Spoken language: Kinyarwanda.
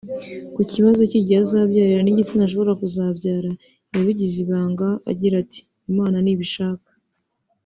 Ku kibazo cy’igihe azabyarira n’igitsina ashobora kuzabyara yabigize ibanga agira ati “Imana nibishaka